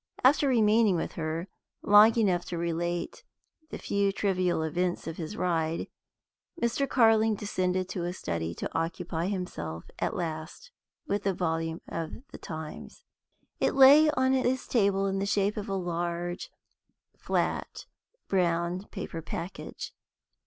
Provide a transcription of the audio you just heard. After remaining with her long enough to relate the few trivial events of his ride, Mr. Carling descended to his study to occupy himself at last with the volume of the Times. It lay on his table in the shape of a large flat brown paper package.